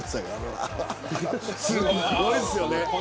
すごいですよね。